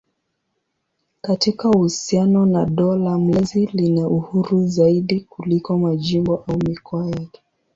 Katika uhusiano na dola mlezi lina uhuru zaidi kuliko majimbo au mikoa yake.